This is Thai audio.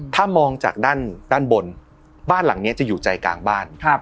ถ้ามองจากด้านบนบ้านหลังนี้จะอยู่ใจกลางบ้าน